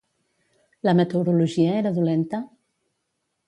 La meteorologia era dolenta?